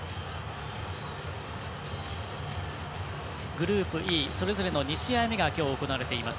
グループＥ、それぞれの２試合目が行われています。